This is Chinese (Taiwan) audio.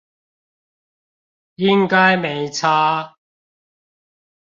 應該沒差